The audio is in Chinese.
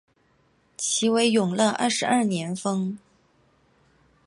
其为永乐二十二年封。